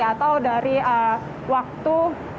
atau dari waktu